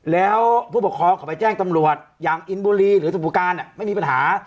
แล้วผู้ปกครองเขาไปแจ้งตำรวจอย่างอินบุรีหรือสมุการไม่มีปัญหา